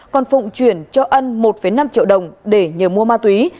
còn phụng chuyển cho ân một năm triệu đồng để nhờ mua ma túy